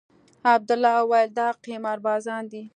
عبدالله وويل دا قمار بازان دي.